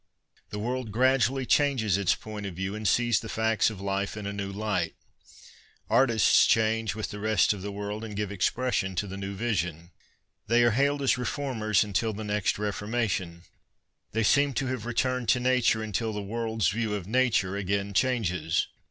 The world gradually changes its point of view and sees the facts of life in a new light. Artists change with the rest of the 'JG7 PASTICHE AND PREJUDICE world, and give expression to the new vision. They arc hailed as reformers until the next reformation ; they seem to have returned to nature, until the worlds view of " nature " again changes.